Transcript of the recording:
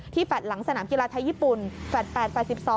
ที่แฟดหลังสนามกีฬาไทยญี่ปุ่นแฟด๘แฟด๑๒